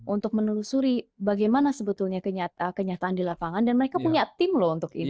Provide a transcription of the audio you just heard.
untuk menelusuri bagaimana sebetulnya kenyataan di lapangan dan mereka punya tim loh untuk ini